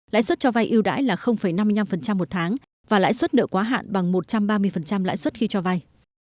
lãi suất cho vay yêu đãi là năm mươi năm một tháng và lãi suất nợ quá hạn bằng một trăm ba mươi lãi suất khi cho vay